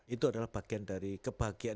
itu adalah bagian dari kebahagiaan